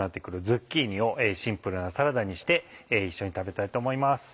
ズッキーニをシンプルなサラダにして一緒に食べたいと思います。